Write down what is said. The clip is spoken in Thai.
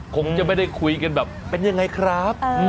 คงจะไม่ได้คุยกันแบบเป็นยังไงครับ